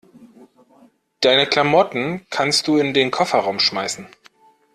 Deine Klamotten kannst du in den Kofferraum schmeißen.